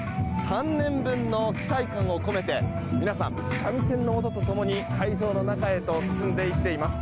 ３年分の期待感を込めて皆さん、三味線の音と共に会場の中へと進んでいっています。